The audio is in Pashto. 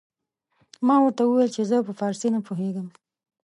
ما ورته وويل چې زه په فارسي نه پوهېږم.